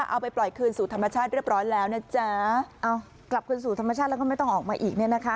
เอาไปปล่อยคืนสู่ธรรมชาติเรียบร้อยแล้วนะจ๊ะเอากลับคืนสู่ธรรมชาติแล้วก็ไม่ต้องออกมาอีกเนี่ยนะคะ